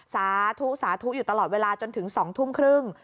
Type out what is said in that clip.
สาธุสาธุอยู่ตลอดเวลาจนถึง๒ทุ่มครึ่ง